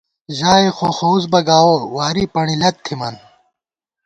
ژائے خوخوُس بہ گاوَہ، واری پݨی لت تھمان